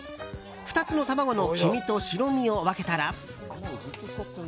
２つの卵の黄身と白身を分けたら。